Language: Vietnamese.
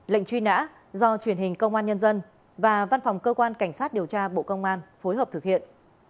lệnh truy nã do truyền hình công an nhân dân và văn phòng cơ quan cảnh sát điều tra bộ công an phối hợp thực hiện